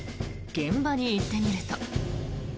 現場に行ってみると。